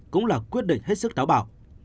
cũng là quyết định hết sức táo bảo